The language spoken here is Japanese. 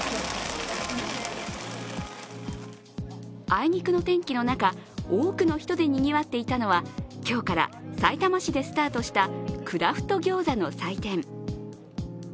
あいにくの天気の中、多くの人でにぎわっていたのは今日から、さいたま市でスタートしたクラフト餃子の祭典。